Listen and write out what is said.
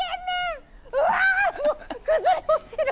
もう、崩れ落ちる！